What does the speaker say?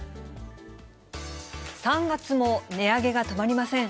３月も値上げが止まりません。